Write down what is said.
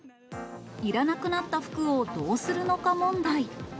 いらなくなった服をどうするのか問題。